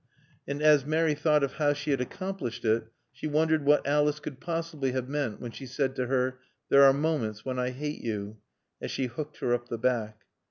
And as Mary thought of how she had accomplished it, she wondered what Alice could possibly have meant when she said to her "There are moments when I hate you," as she hooked her up the back.